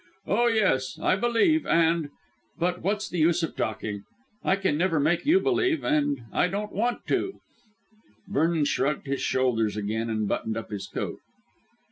Oh, yes, I believe, and but what's the use of talking? I can never make you believe, and I don't want to." Vernon shrugged his shoulders again and buttoned up his coat.